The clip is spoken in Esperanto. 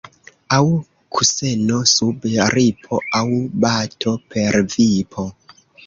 Aŭ kuseno sub ripo, aŭ bato per vipo.